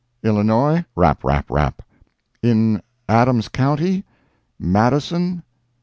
—Illinois?—" "Rap, rap, rap." "In Adams county?—Madison?